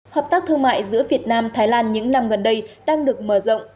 hợp tác thương mại giữa việt nam thái lan những năm gần đây đang được mở rộng